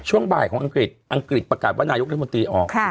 ช่วงบ่ายของอังกฤษอังกฤษประกาศว่านายกรัฐมนตรีออก